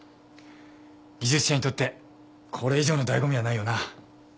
技術者にとってこれ以上の醍醐味はないよな。